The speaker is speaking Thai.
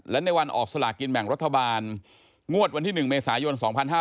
และในวันออกสลากินแบ่งรัฐบาลงวดวันที่๑เมษายน๒๕๕๙